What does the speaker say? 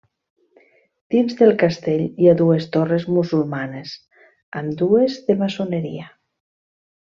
Dins del castell hi ha dues torres musulmanes, ambdues de maçoneria.